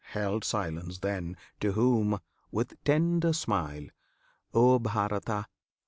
held silence then. To whom, with tender smile, (O Bharata!